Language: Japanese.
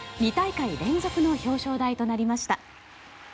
２大会連続の表彰台となりました。